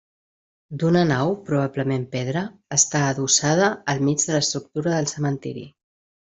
D'una nau, probablement pedra, està adossada al mig de l'estructura del cementiri.